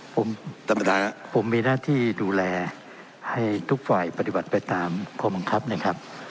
ผมผมมีหน้าที่ดูแลให้ทุกฝ่ายปฏิบัติไปตามความบังคับนะครับ